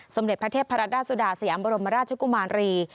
สมเด็จพระเทพรัดดาสุดาสยามบรมราชกุมารี